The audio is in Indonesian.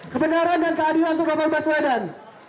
kebenaran dan keadilan untuk novel baswedan